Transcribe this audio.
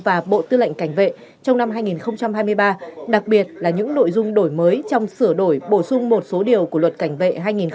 và bộ tư lệnh cảnh vệ trong năm hai nghìn hai mươi ba đặc biệt là những nội dung đổi mới trong sửa đổi bổ sung một số điều của luật cảnh vệ hai nghìn hai mươi ba